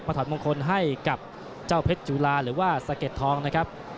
ถอดมงคลให้กับเจ้าเพชรจุลาหรือว่าสะเก็ดทองนะครับ